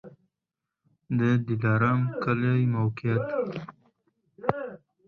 د دلارام کلی موقعیت